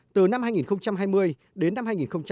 từ năm hai nghìn hai mươi đến năm hai nghìn hai mươi